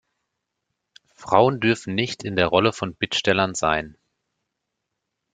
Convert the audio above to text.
Frauen dürfen nicht in der Rolle von Bittstellern sein.